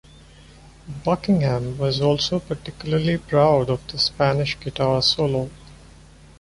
Buckingham was also particularly proud of the Spanish guitar solo.